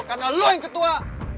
karena lo yang ketua